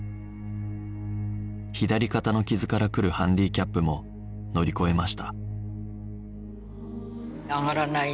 左肩の傷からくるハンディキャップも乗り越えました